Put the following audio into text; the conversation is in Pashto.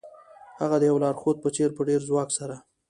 هغه د یو لارښود په څیر په ډیر ځواک سره